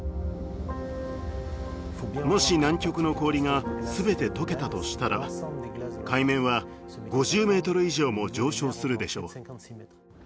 もし南極の氷が全て解けたとしたら海面は５０メートル以上も上昇するでしょう。